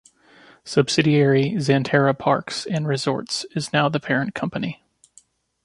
Subsidiary Xanterra Parks and Resorts is now the parent company.